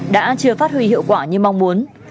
đã chưa phát huy hiệu quả như mong muốn